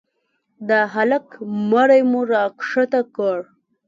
د هلك مړى مو راکښته کړ.